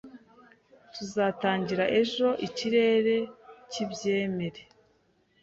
Tuzatangira ejo, ikirere kibyemere